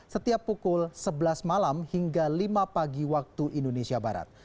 setiap pukul sebelas malam hingga lima pagi waktu indonesia barat